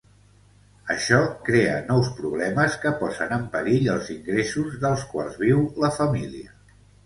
Això crea nous problemes que posen en perill els ingressos dels quals viu la família.